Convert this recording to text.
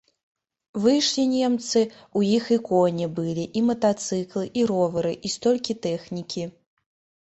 Выйшлі немцы, у іх і коні былі, і матацыклы, і ровары, і столькі тэхнікі.